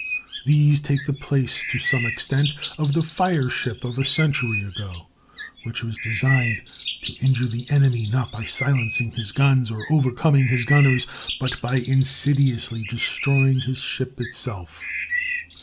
These take the place to some extent of the fire ship of a century ago, which was designed to injure the enemy not by silencing his guns or overcoming his gunners, but by insidiously destroying his ship itself.